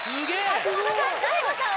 橋本さん醍醐さん